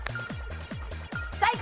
最高！